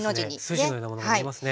筋のようなものがありますね。